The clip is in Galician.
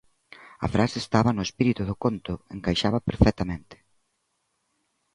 A frase estaba no espírito do conto, encaixaba perfectamente.